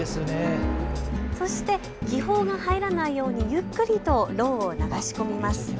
そして気泡が入らないようにゆっくりとろうを流し込みます。